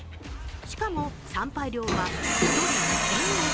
しかも参拝料は１人２０００円。